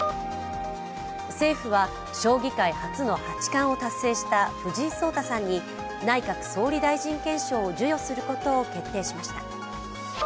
政府は将棋界初の八冠を達成した藤井聡太さんに内閣総理大臣顕彰を授与することを決定しました。